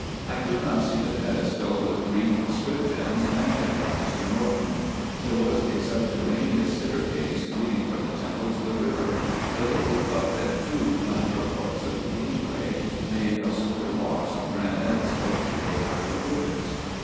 I could not see the pedestal with Greek inscriptions, mentioned by Mr. Norden. There was a sub terraneous staircase leading from the temple to the river ; and, a little above it, two lateral parts of a gateway, made of square blocks of granite, sculptured with hieroglyphics.